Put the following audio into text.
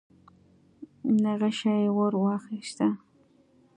نخشه يې ور واخيسه.